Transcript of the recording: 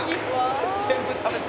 全部食べた」